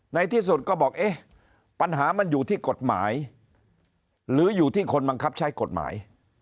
ในที่สุดก็บอกเอ๊ะปัญหามันอยู่ที่กฎหมายหรืออยู่ที่คนบังคับใช้กฎหมาย